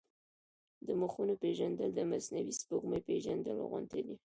د مخونو پېژندل د مصنوعي سپوږمۍ پېژندل غوندې دي.